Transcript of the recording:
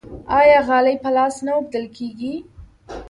آیا غالۍ په لاس نه اوبدل کیږي؟